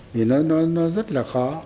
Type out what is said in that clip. vì nó rất là khó